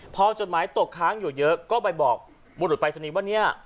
พอจดหมายตกค้างอยู่เยอะก็ไปบอกบุรุษปรายศนีย์ว่าเนี่ย